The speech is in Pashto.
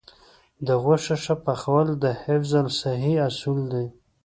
د غوښې ښه پخول د حفظ الصحې اصول دي.